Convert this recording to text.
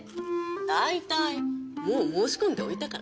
大体もう申し込んでおいたから。